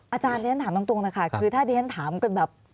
อาจารย์เรียนถามตรงนะคะคือถ้าดิฉันถามกันแบบ